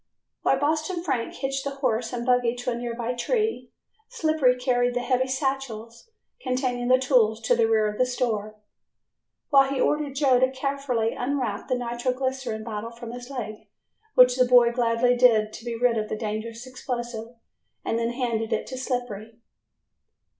While Boston Frank hitched the horse and buggy to a nearby tree, Slippery carried the heavy satchels containing the tools to the rear of the store, while he ordered Joe to carefully unwrap the nitro glycerine bottle from his leg, which the boy gladly did to be rid of the dangerous explosive, and then handed it to Slippery.